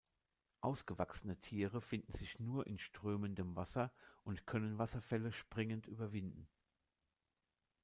Ausgewachsene Tiere finden sich nur in strömendem Wasser und können Wasserfälle springend überwinden.